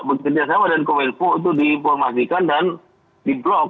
bekerjasama dengan kominfo itu diinformasikan dan di block